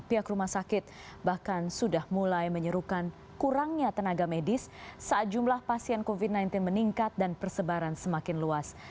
pihak rumah sakit bahkan sudah mulai menyerukan kurangnya tenaga medis saat jumlah pasien covid sembilan belas meningkat dan persebaran semakin luas